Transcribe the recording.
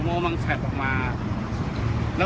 กลงตากลงกัน